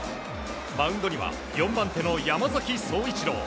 マウンドには４番手の山崎颯一郎。